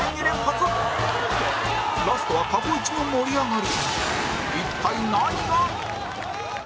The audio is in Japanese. ラストは過去イチの盛り上がり